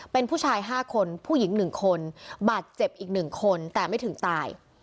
เป็นผู้ชาย๕คนผู้หญิง๑คนบาดเจ็บอีก๑คนแต่ไม่ถึงตาย